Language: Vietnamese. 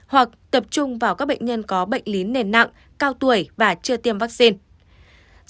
hoặc tập trung vào các bệnh nhân có bệnh lý nền nặng cao tuổi và chưa tiêm vaccine